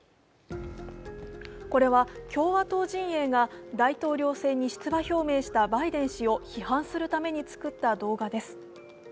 これは共和党陣営が大統領選に出馬表明したバイデン氏を批判するために作った動画です。